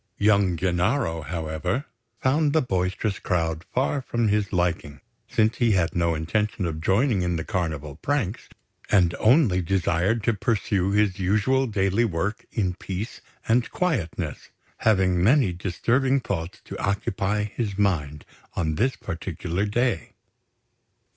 Young Gennaro, however, found the boisterous crowd far from his liking, since he had no intention of joining in the Carnival pranks, and only desired to pursue his usual daily work in peace and quietness, having many disturbing thoughts to occupy his mind on this particular day.